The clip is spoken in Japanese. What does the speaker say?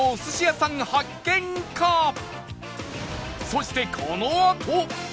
そしてこのあと！